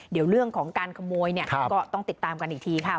เดี๋ยวเรื่องของการขโมยเนี่ยก็ต้องติดตามกันอีกทีค่ะ